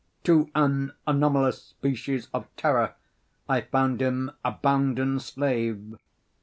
To an anomalous species of terror I found him a bounden slave.